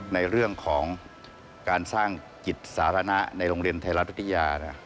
ในเรื่องของการสร้างจิตสาธารณะในโรงเรียนไทยรัฐวิทยา